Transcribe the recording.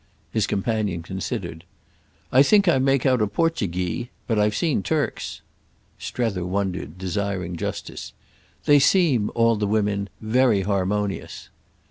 His companion considered. "I think I make out a 'Portuguee.' But I've seen Turks." Strether wondered, desiring justice. "They seem—all the women—very harmonious."